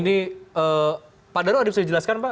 ini pak daru ada bisa dijelaskan pak